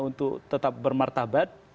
untuk tetap bermartabat